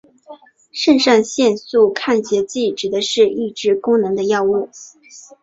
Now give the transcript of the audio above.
肾上腺素拮抗剂指的是抑制功能的药物。